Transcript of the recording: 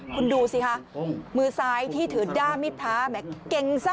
คุณดูสิคะมือซ้ายที่ถือด้ามมิดท้าแหมเก่งซะ